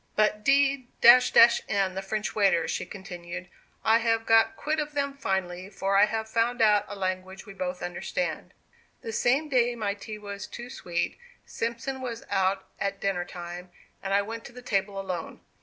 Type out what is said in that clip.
"But d n the French waiters," she continued, "I have got quit of them finally, for I have found out a language we both understand. "The same day my tea was too sweet, Simpson was out at dinner time; and I went to the table alone.